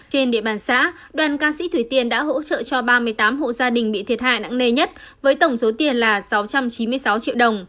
trên địa bàn xã đoàn ca sĩ thủy tiên đã hỗ trợ cho ba mươi tám hộ gia đình bị thiệt hại nặng nề nhất với tổng số tiền là sáu trăm chín mươi sáu triệu đồng